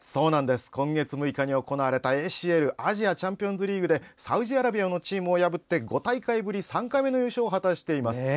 今月６日に行われたＡＣＬ＝アジアチャンピオンズリーグでサウジアラビアのチームを破って５大会ぶり３回目の優勝を果たしています。